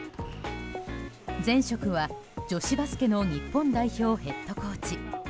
前職は女子バスケの日本代表ヘッドコーチ。